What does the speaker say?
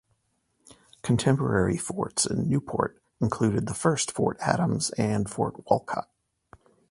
Contemporary forts in Newport included the first Fort Adams and Fort Wolcott.